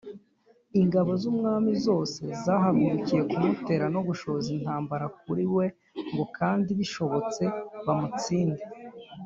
Ingabo z’umwanzi zose zahagurukiye kumutera no gushoza intambara kuri we, ngo kandi bishobotse bamutsinde.